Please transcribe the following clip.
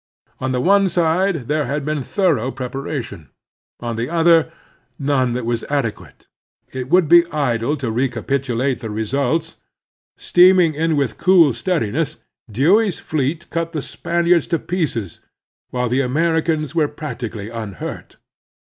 On the one side there had been thorough prepara tion ; on the other, none that was adequate. It would be idle to recapitulate the results. Steam ing in with cool steadiness, Dewey's fleet cut the Spaniards to pieces, while the Americans were practically unhurt.